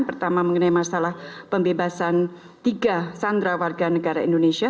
pertama mengenai masalah pembebasan tiga sandra warga negara indonesia